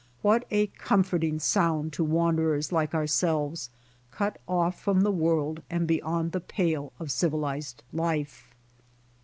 What a comforting sound to wanderers like ourselves, cut off from the world and beyond the pale of civilized life.